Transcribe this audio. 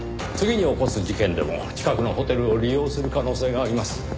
次に起こす事件でも近くのホテルを利用する可能性があります。